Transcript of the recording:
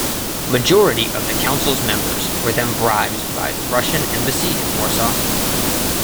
Majority of the Council's members were then bribed by the Russian embassy in Warsaw.